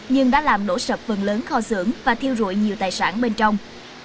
nhưng đã làm đổ sập phần lớn kho xưởng và thiêu rụi nhiều tài sản bên trong